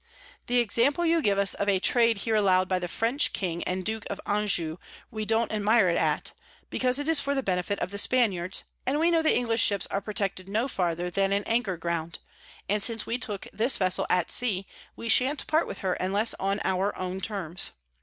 The Example you give us of a Trade here allow'd by the French King and Duke of Anjou, we don't admire at, because it is for the Benefit of the Spaniards; and we know the English Ships are protected no farther than in Anchor Ground: and since we took this Vessel at Sea, we shan't part with her unless on our own Terms.